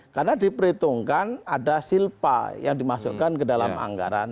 karena diperhitungkan ada silpa yang dimasukkan ke dalam anggaran